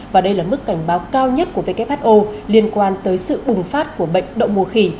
và đây là mức cảnh báo cao nhất của who liên quan tới sự bùng phát của bệnh đậu mùa khỉ